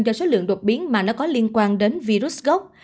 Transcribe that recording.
do số lượng đột biến mà nó có liên quan đến virus gốc